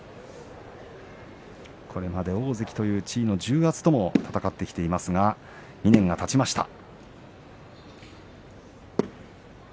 これまで大関という地位の重圧とも戦ってきていますが２年がたちました。